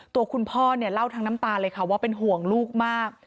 ตัวคุณพ่อเนี่ยเล่าทั้งน้ำตาเลยค่ะว่าเป็นห่วงลูกมาก